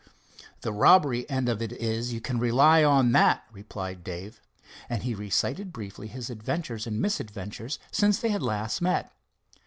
"The robbery end of it is, you can rely on that," replied Dave, and he recited briefly his adventures and misadventures since they had last met.